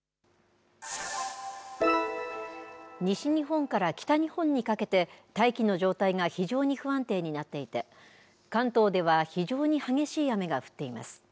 西日本から北日本にかけて、大気の状態が非常に不安定になっていて、関東では非常に激しい雨が降っています。